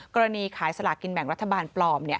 ขายสลากินแบ่งรัฐบาลปลอม